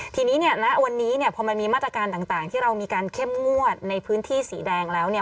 ทีนี้เนี่ยณวันนี้เนี่ยพอมันมีมาตรการต่างที่เรามีการเข้มงวดในพื้นที่สีแดงแล้วเนี่ย